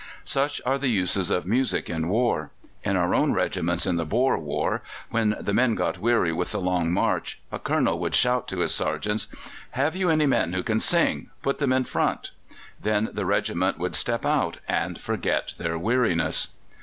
Such are the uses of music in war. In our own regiments in the Boer War, when the men got weary with the long march, a Colonel would shout to his sergeants: "Have you any men who can sing? Put them in front." Then the regiment would step out and forget their weariness.